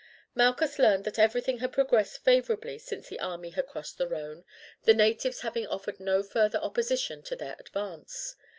Malchus learned that everything had progressed favourably since the army had crossed the Rhone, the natives having offered no further opposition to their advance.